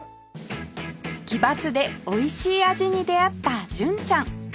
奇抜でおいしい味に出会った純ちゃん